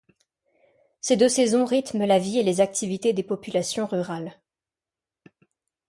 Ces deux saisons rythment la vie et les activités des populations rurales.